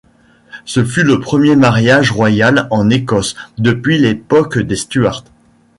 Ce fut le premier mariage royal en Écosse depuis l'époque des Stuart.